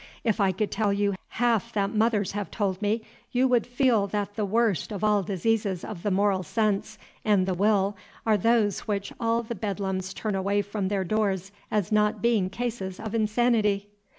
If I could tell you half that mothers have told me, you would feel that the worst of all diseases of the moral sense and the will are those which all the Bedlams turn away from their doors as not being cases of insanity!"